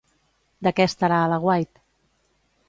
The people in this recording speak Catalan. De què estarà a l'aguait?